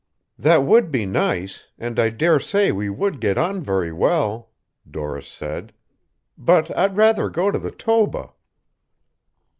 "That would be nice, and I dare say we would get on very well," Doris said. "But I'd rather go to the Toba."